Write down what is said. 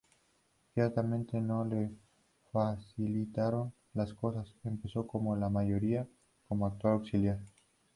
Ciertamente, no le facilitaron las cosas: empezó como la mayoría, como actor auxiliar.